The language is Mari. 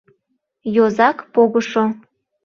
Йозак погышо.